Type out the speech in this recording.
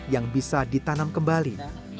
yang bisa ditanam kembali